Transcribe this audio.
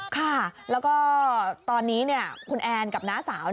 ค่ะแล้วก็ตอนนี้คุณแอนกับน้าสาว